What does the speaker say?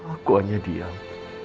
aku hanya diam